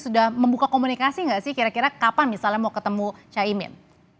sudah membuka komunikasi nggak sih kira kira kapan misalnya mau ketemu caimin